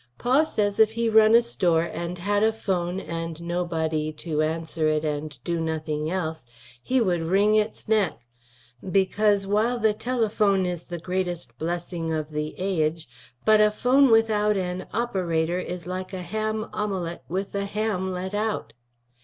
Pa says if he run a store & had a pfhone & no body to anser it & do nothing else he would ring it's neck, becuase while the telaphone is the gratest blesing of the aige, but a pfhone with out an opperater is like a ham ommalet with the ham let out.